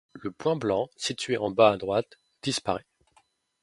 Le point blanc, situé en bas à droite, disparaît.